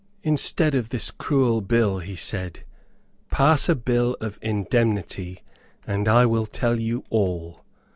"Instead of this cruel bill," he said, "pass a bill of indemnity; and I will tell you all."